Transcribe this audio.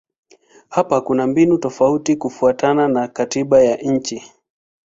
Hapa kuna mbinu tofauti kufuatana na katiba ya nchi.